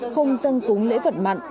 không dân cúng lễ phật mặn